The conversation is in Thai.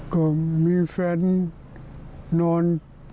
ก็มีแฟนนอน